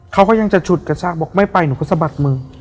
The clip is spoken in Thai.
เขาก็ยังจะฉุดกระชากบอกไม่ไปหนูก็สะบัดมือ